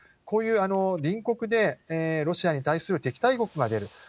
こういう隣国でロシアに対する敵対国が出る。